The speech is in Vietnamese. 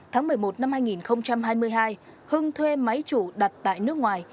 tháng một mươi một năm hai nghìn hai mươi hai hưng thuê máy chủ đặt tại nước ngoài